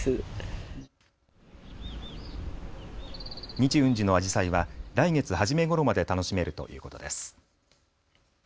日運寺のアジサイは来月初めごろまで楽しめるということです。